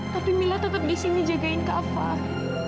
tapi mila tetep disini jagain kak fadil